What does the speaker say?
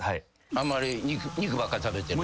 あんまり肉ばっか食べてると。